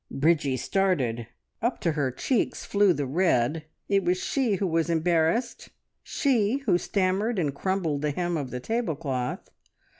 Bridgie started. Up to her cheeks flew the red. It was she who was embarrassed, she who stammered and crumbled the hem of the tablecloth.